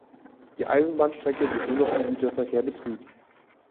Die Eisenbahnstrecke wird nur noch im Güterverkehr betrieben.